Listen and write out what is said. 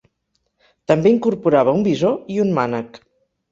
També incorporava un visor i un mànec.